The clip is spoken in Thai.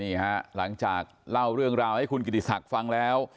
หลังจากเล่าเรื่องราวให้คุณกิติศักดิ์ฟังแล้ว